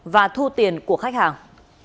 và thu tiền của khách hàng